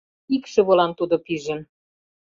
Икшывылан тудо пижын